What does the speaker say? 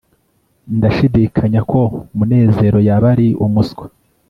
ndashidikanya ko munezero yaba ari umuswa